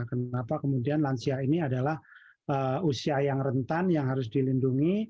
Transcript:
kenapa kemudian lansia ini adalah usia yang rentan yang harus dilindungi